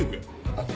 あっ。